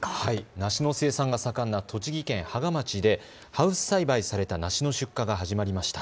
梨の生産が盛んな栃木県芳賀町でハウス栽培された梨の出荷が始まりました。